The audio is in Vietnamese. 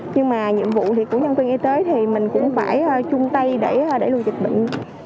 nhưng mà nhiệm vụ của nhân viên y tế thì mình cũng phải chung tay để lưu dịch bệnh